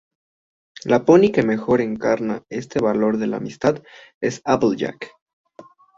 La pony que mejor encarna este valor de la amistad es Applejack.